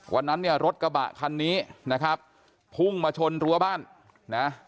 วันนั้นเนี่ยรถกระบะคันนี้นะครับพุ่งมาชนรั้วบ้านนะ